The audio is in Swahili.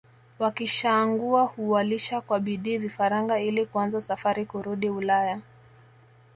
Wakishaangua huwalisha kwa bidii vifaranga ili kuanza safari kurudi Ulaya